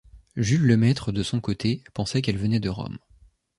Jules Lemaître, de son côté, pensait qu'elle venait de Rome.